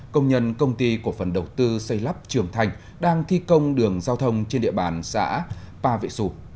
công nhân công ty cổ phần đầu tư xây lắp trường thành đang thi công đường giao thông trên địa bàn xã pa vệ sủ